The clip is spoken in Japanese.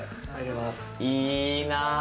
いいな！